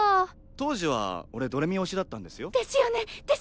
当時は俺どれみ推しだったんですよ？ですよね！ですよね！